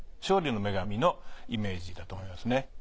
勝利の女神のイメージだと思いますね。